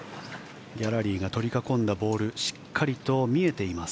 ギャラリーが取り囲んだボールしっかりと見えています。